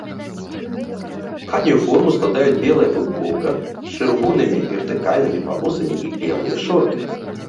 Хатнюю форму складаюць белая футболка з чырвонымі вертыкальнымі палосамі і белыя шорты.